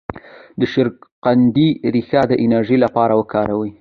د شکرقندي ریښه د انرژی لپاره وکاروئ